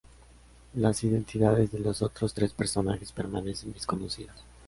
Las identidades de los otros tres personajes permanecen desconocidas.